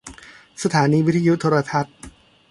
สถานีวิทยุโทรทัศน์